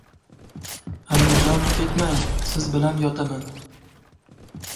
Ammajon, ketmang, sizminan yotaman!